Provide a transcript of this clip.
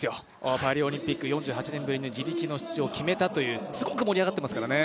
パリオリンピック４８年ぶりに自力の出場を決めたというすごく盛り上がってますからね。